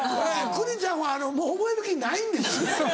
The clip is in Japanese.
クリちゃんはもう覚える気ないんですよ。